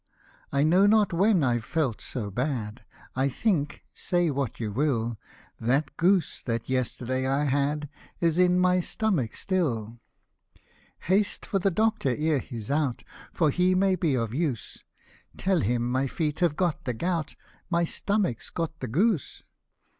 " I know not when I've felt so bad ; I think, say what you will, That goose that yesterday I had Is in my stomach still !" Haste for the doctor, ere he's out, For he may be of use : Tell him my feet have got the gout, My stomach's got the goose."